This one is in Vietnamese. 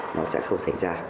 nó sẽ không xảy ra